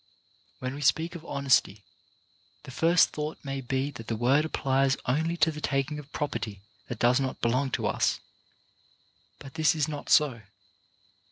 When we speak of honesty, the first thought may be that the word applies only to the taking of property that does not belong to us, but this is not so.